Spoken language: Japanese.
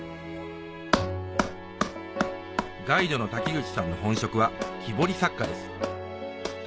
ガイドの瀧口さんの本職は木彫り作家です